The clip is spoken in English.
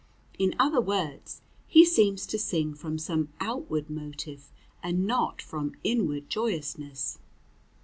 In other words, he seems to sing from some outward motive, and not from inward joyousness.